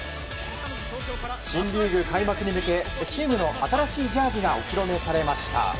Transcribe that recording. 新リーグ開幕に向けチームの新しいジャージーがお披露目されました。